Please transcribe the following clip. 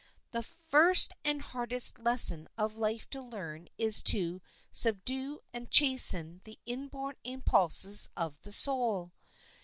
The first and hardest lesson of life to learn is to subdue and chasten the inborn impulses of the soul.